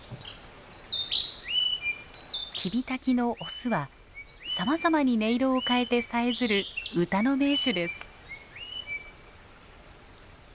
キビタキのオスはさまざまに音色を変えてさえずる歌の名手です。